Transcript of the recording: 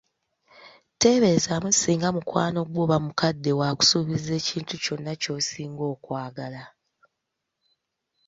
Teeberezaamu singa mukwano gwo oba mukadde wo akusuubizza ekintu kyonna ky'osinga okwagala!